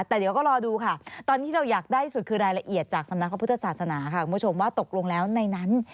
แต่เดี๋ยวก็รอดูค่ะตอนที่เราอยากได้สุดคือรายละเอียดจากสำนักพระพุทธศาสนาค่ะคุณผู้ชมว่าตกลงแล้วในนั้น